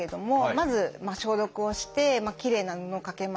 まず消毒をしてきれいな布をかけまして。